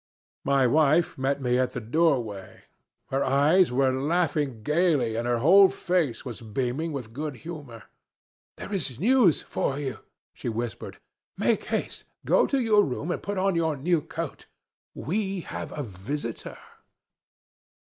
My wife met me at the doorway. Her eyes were laughing gaily and her whole face was beaming with good humor. "There is news for you!" she whispered. "Make haste, go to your room and put on your new coat; we have a visitor."